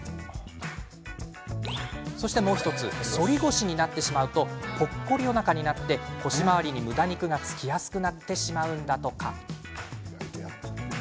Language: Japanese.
そして、反り腰になってしまうとぽっこりおなかになって腰回りに、むだ肉がつきやすくなってしまうんだとか。